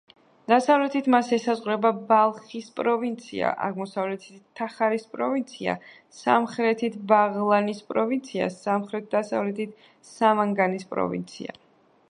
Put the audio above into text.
დასავლეთით მას ესაზღვრება ბალხის პროვინცია, აღმოსავლეთით თახარის პროვინცია, სამხრეთით ბაღლანის პროვინცია, სამხრეთ-დასავლეთით სამანგანის პროვინცია.